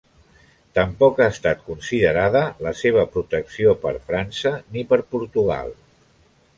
Tampoc ha estat considerada la seva protecció per França, ni per Portugal.